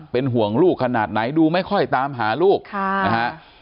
เป็นห่วงลูกขนาดไหนดูไม่ค่อยตามหาลูกนะฮะ